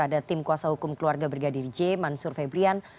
ada tim kuasa hukum keluarga brigadir j mansur febrian